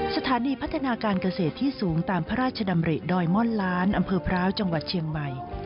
สถานีพัฒนาการเกษตรที่สูงตามพระราชดำริดอยม่อนล้านอำเภอพร้าวจังหวัดเชียงใหม่